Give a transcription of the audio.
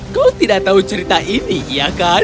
kau tidak tahu cerita ini iya kan